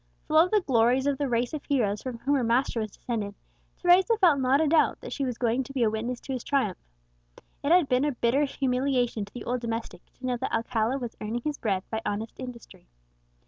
Full of the glories of the race of heroes from whom her master was descended, Teresa felt not a doubt that she was going to be a witness to his triumph. It had been a bitter humiliation to the old domestic to know that Alcala was earning his bread by honest industry.